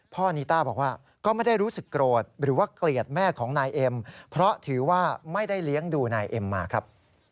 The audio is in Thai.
นิต้าบอกว่าก็ไม่ได้รู้สึกโกรธหรือว่าเกลียดแม่ของนายเอ็มเพราะถือว่าไม่ได้เลี้ยงดูนายเอ็มมาครับ